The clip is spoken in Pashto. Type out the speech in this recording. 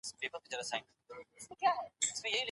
د بریا تاج یوازي لایقو کسانو ته نه سي ورکول کېدلای.